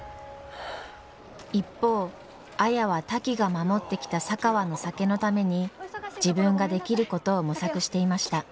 一方綾はタキが守ってきた佐川の酒のために自分ができることを模索していました。